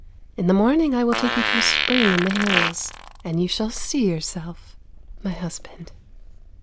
In the morning I will take you to a spring in the hills, and you shall see yourself, my hus band."